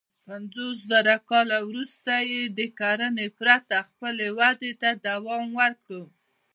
پنځوسزره کاله وروسته یې د کرنې پرته خپلې ودې ته دوام ورکړ.